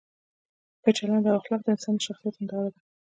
ښه چلند او اخلاق د انسان د شخصیت هنداره ده.